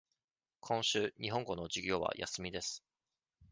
今週、日本語の授業は休みです。